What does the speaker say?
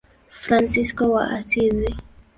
Fransisko wa Asizi.